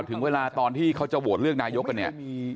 ถึงเวลาตอนที่เขาจะโหวตเลือกนายกกันเนี่ย